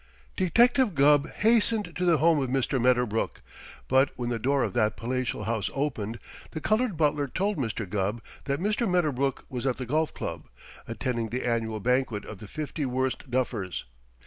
Detective Gubb hastened to the home of Mr. Medderbrook, but when the door of that palatial house opened, the colored butler told Mr. Gubb that Mr. Medderbrook was at the Golf Club, attending the annual banquet of the Fifty Worst Duffers.